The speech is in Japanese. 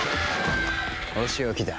お仕置きだ。